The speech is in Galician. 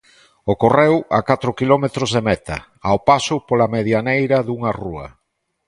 Ocorreu a catro quilómetros de meta, ao paso pola medianeira dunha rúa.